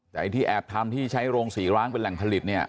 แต่ไอ้ที่แอบทำที่ใช้โรงสีร้างเป็นแหล่งผลิตเนี่ย